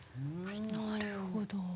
なるほど。